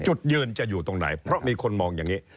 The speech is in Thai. จุดยืนจะอยู่ตรงไหนเพราะมีคนมองอย่างนี้